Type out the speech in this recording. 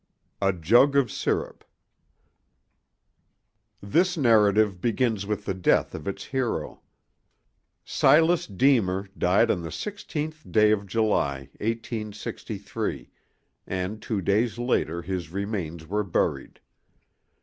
A JUG OF SIRUP THIS narrative begins with the death of its hero. Silas Deemer died on the 16th day of July, 1863, and two days later his remains were buried.